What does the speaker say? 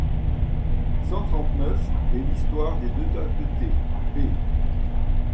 cent trente-neuf) et l'histoire des deux tasses de thé (p.